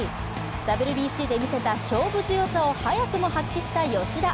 ＷＢＣで見せた勝負強さを早くも発揮した吉田。